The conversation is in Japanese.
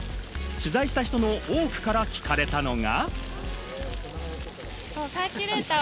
取材した人の多くから聞かれたのが。